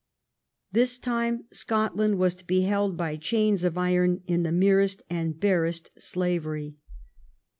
This time Scotland was to be held by chains of iron in the merest and barest slavery.